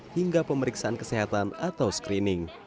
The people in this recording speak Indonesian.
hingga pemeriksaan kesehatan atau screening